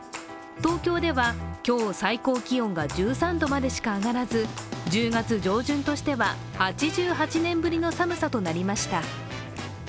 東京では今日、最高気温が１３度までしか上がらず１０月上旬としては８８年ぶりの寒さとなりました。